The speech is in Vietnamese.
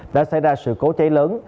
đã xảy ra sự cố cháy lớn